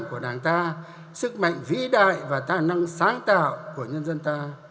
của đảng ta sức mạnh vĩ đại và tài năng sáng tạo của nhân dân ta